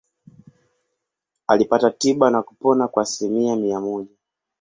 Alipata tiba na kupona kwa asilimia mia moja.